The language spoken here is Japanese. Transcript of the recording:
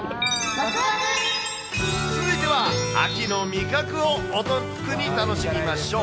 続いては秋の味覚をお得に楽しみましょう。